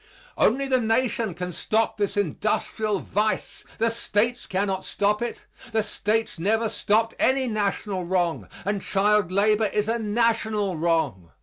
Only the Nation can stop this industrial vice. The States cannot stop it. The States never stopped any national wrong and child labor is a national wrong.